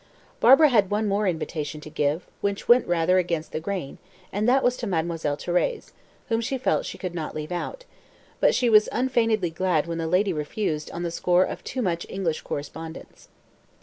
Barbara had one more invitation to give, which went rather against the grain, and that was to Mademoiselle Thérèse, whom she felt she could not leave out; but she was unfeignedly glad when the lady refused on the score of too much English correspondence.